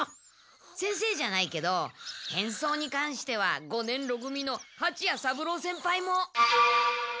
先生じゃないけど変装にかんしては五年ろ組のはちや三郎先輩も！